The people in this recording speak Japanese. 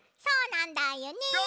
そうなんだよね。